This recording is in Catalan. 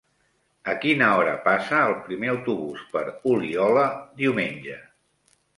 A quina hora passa el primer autobús per Oliola diumenge?